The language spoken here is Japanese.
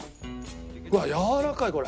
うわっやわらかいこれ。